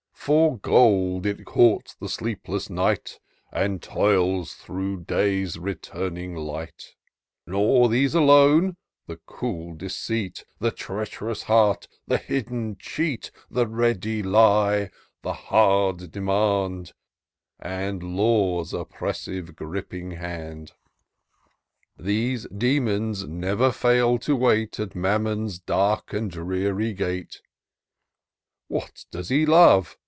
For gold it courts the sleepless night, And toils through day's returning light : Nor these alone ;— the cool deceit — The treach'rous heart — the hidden cheat — ^48 TOUR OP DOCTOR SYNTAX The ready lie — the hard demand — And Law's oppressive, griping hand ; These demons never fail to wait At Mammon's dark and dreary gate. What does he love